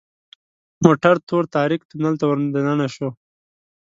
موټر تور تاریک تونل ته وردننه شو .